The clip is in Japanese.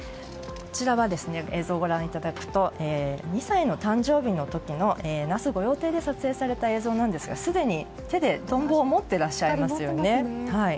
映像をご覧いただくと２歳の誕生日の時の那須御用邸で撮影された映像なんですがすでに手でトンボを持ってらっしゃいますよね。